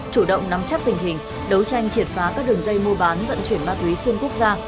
chủ động nắm chắc tình hình đấu tranh triệt phá các đường dây mua bán vận chuyển ma túy xuyên quốc gia